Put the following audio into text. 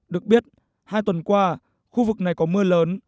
được biết hai tuần qua khu vực này có mưa lớn